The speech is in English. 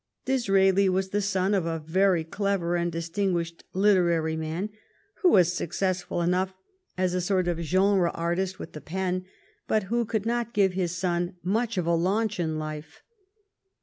Disraeli was the son of a very clever and distinguished literary man, who was successful enough as a sort of genre artist l64 THE STORY OF GLADSTONES LIFE with the pen, but who could not give his son much of a launch in life.